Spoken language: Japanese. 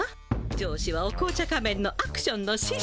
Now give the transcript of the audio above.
上司はお紅茶仮面のアクションの師匠。